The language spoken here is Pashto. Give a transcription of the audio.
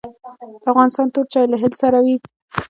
د افغانستان تور چای له هل سره وي